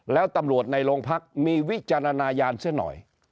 แล้วตำรวจในโรงพักมีวิจารณญาณซะหน่อย